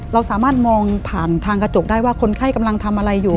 เราสามารถมองผ่านทางกระจกได้ว่าคนไข้กำลังทำอะไรอยู่